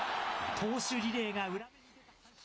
投手リレーが裏目に出た阪神。